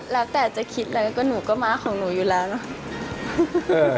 แล้วแต่จะคิดอะไรก็หนูก็ม้าของหนูอยู่แล้วเนอะ